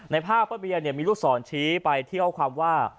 ในภาพป้อนเบียมีรูปสอนชี้ไปเที่ยวความว่า